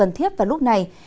điều cần thiết vào lúc này